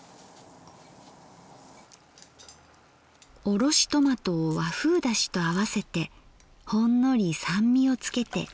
おろしトマトを和風だしと合わせてほんのり酸味をつけて。